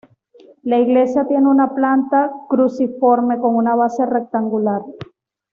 La iglesia tiene una planta cruciforme, con una base rectangular.